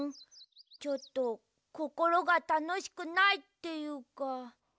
ちょっとこころがたのしくないっていうか。